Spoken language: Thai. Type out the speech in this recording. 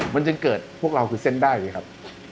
มันจึงเกิดพวกเราคือเส้นได้ไหมครับ